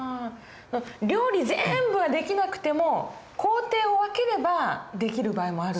料理全部はできなくても工程を分ければできる場合もある。